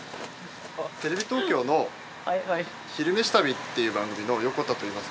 テレビ東京の「昼めし旅」という番組の横田といいます。